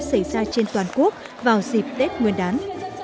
xảy ra trên toàn quốc vào dịp tết nguyên đán